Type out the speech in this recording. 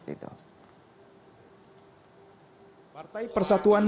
partai persatuan pembangunan